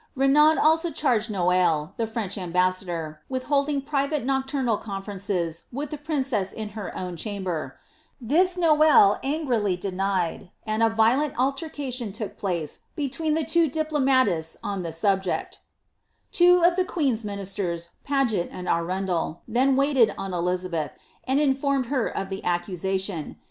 Renand also charged Noailles, the French amhassador, with holding private nocturnal conferences with the princess in her owa chamber; this, Noailles angrily denied, and a violent altercation took place between the two diplomatists on the subject Two of the queen^ ministers, Paget and Arundel, then waited on Elizabeth, and informed her of the accusation.